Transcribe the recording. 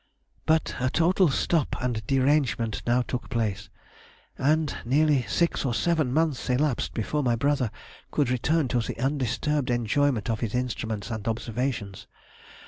"But a total stop and derangement now took place, and nearly six or seven months elapsed before my brother could return to the undisturbed enjoyment of his instruments and observations.